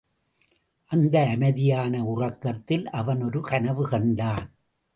அந்த அமைதியான உறக்கத்தில் அவன் ஒரு கனவு கண்டான்.